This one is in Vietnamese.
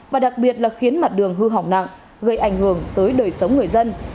và đặc biệt là khiến mặt đường hư hỏng nặng gây ảnh hưởng tới đời sống người dân